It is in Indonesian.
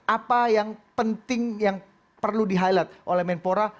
apa yang penting yang perlu di highlight oleh menpora